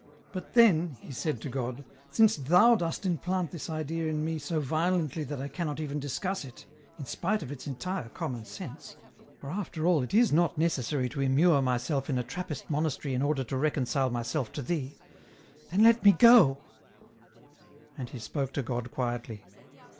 " But then," he said to God :" since Thou dost implant this idea in me so violently that I cannot even discuss it, in spite of its entire common sense — for after all it is not necessary to immure myself in a Trappist monastery in order to reconcile myself to Thee — then let me go I " And he spoke to God quietly.